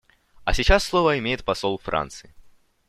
А сейчас слово имеет посол Франции.